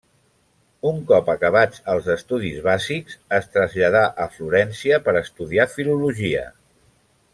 Un cop acabats els estudis bàsics, es traslladà a Florència per estudiar filologia.